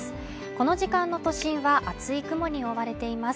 この時間の都心は厚い雲に覆われています